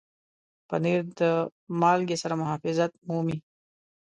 پنېر د مالګې سره محافظت مومي.